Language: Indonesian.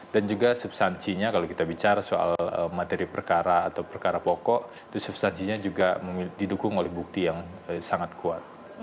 dan juga substansinya kalau kita bicara soal materi perkara atau perkara pokok substansinya juga didukung oleh bukti yang sangat kuat